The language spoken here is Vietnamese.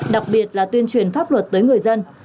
đặc biệt là tuyên truyền pháp luật tới người dân